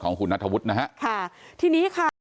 ของคุณณธวุฒินะฮะที่นี้ค่ะ